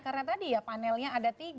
karena tadi ya panelnya ada tiga